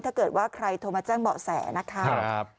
ถ้าเกิดว่าใครโทรมาแจ้งเบาะแสนะคะ